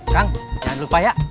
kang jangan lupa ya